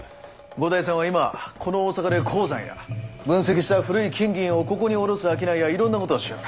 五代さんは今この大阪で鉱山や分析した古い金銀をここにおろす商いやいろんなことをしよる。